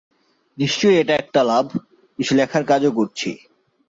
নিশ্চয়ই এটা একটা লাভ! কিছু লেখার কাজও করছি।